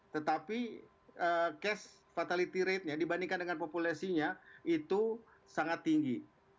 tetapi case fatality rate nya dibandingkan dengan populesinya itu sangat tinggi